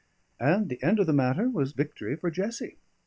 And the end of the matter was victory for Jessie.